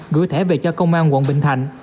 gửi thẻ về cho công an quận bình thành